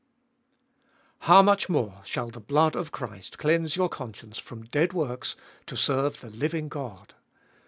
How much more shall the blood of Christ cleanse your conscience from dead works to serve the living God